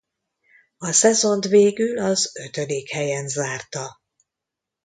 A szezont végül az ötödik helyen zárta.